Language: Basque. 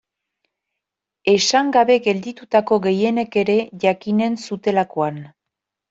Esan gabe gelditutako gehienek ere jakinen zutelakoan.